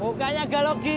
mukanya gak logi